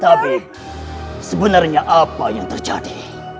tapi sebenarnya apa yang terjadi